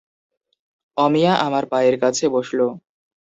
অমিয়া আমার পায়ের কাছে বসল।